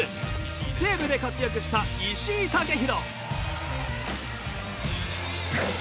西武で活躍した石井丈裕。